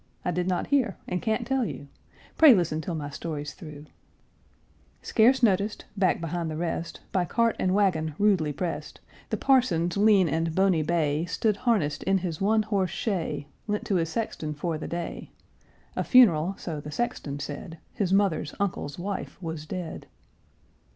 I did not hear and can't tell you, Pray listen till my story's through. Scarce noticed, back behind the rest, By cart and wagon rudely prest, The parson's lean and bony bay Stood harnessed in his one horse shay Lent to his sexton for the day; (A funeral so the sexton said; His mother's uncle's wife was dead.)